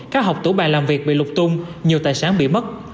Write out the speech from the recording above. các học tủ bài làm việc bị lục tung nhiều tài sản bị mất